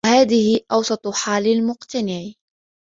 وَهَذِهِ أَوْسَطُ حَالِ الْمُقْتَنِعِ